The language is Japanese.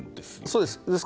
そうです。